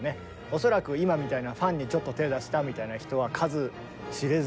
恐らく今みたいなファンにちょっと手出したみたいな人は数知れず。